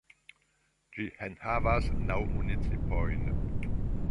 Ĝi enhavas naŭ municipojn.